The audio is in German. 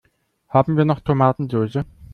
Haben wir noch Tomatensoße?